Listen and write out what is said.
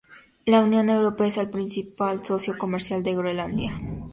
La Unión Europea es el principal socio comercial de Groenlandia.